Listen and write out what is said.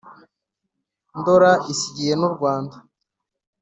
ndora isigiye n’u rwanda.